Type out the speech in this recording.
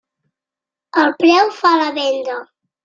El preu fa la venda.